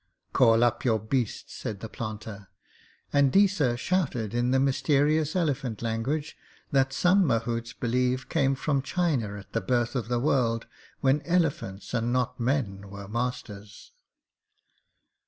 'Call up your beast,' said the planter, and Deesa shouted in the mysterious elephant language, that some mahouts believe came from China at the birth of the world, when elephants and not men were masters.